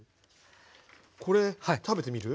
これ食べてみる？